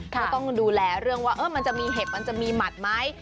ก็ต้องดูแลเรื่องว่ามันจะมีเห็บมันจะมีหมัดไหม